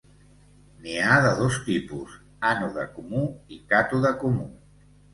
N'hi ha de dos tipus: ànode comú i càtode comú.